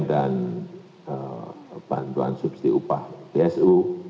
dan bantuan subsidi upah bsu